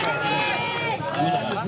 assalamualaikum warahmatullahi wabarakatuh